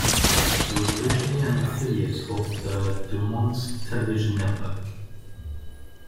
It was originally an affiliate of the DuMont Television Network.